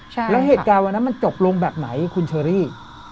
แล้วเหตุการณ์วันนั้นมันจบลงแบบไหนคุณเชอรี่